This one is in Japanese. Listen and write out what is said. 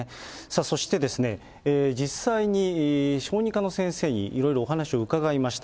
そして、実際に小児科の先生にいろいろお話を伺いました。